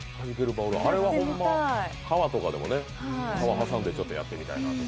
あれは川とかでも川挟んでやってみたい。